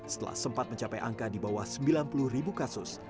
setelah sempat mencapai angka di bawah sembilan puluh ribu kasus